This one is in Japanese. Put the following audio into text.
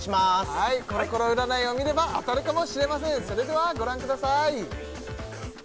はいコロコロ占いを見れば当たるかもしれませんそれではご覧ください